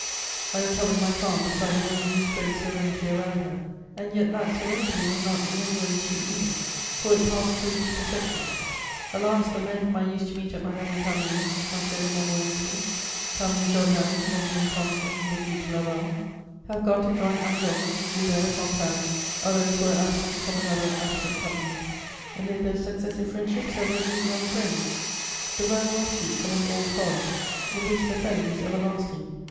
I recovered my calm beside a woman who spread serenity around her; and yet that serenity was not in any way too even, for it passed through deep affections. Alas, the men whom I used to meet at Madame Récamier's, Mathieu de Montmorency, Camille Jordan, Benjamin Constant, the Duc de Laval, have gone to join Hingant, Joubert, Fontanes, others who were absent from another absent company. Amid those successive friendships have risen young friends, the vernal offshoots of an old forest in which the felling is everlasting.